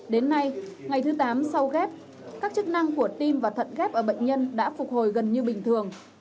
đến nay ngày thứ tám sau ghép các chức năng của tim và thận ghép ở bệnh nhân đã phục hồi gần như bình thường